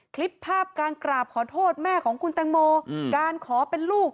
คลิปภาพการกราบขอโทษแม่ของคุณแตงโมการขอเป็นลูก